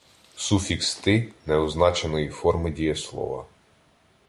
Суфікс -ти неозначеної форми дієслова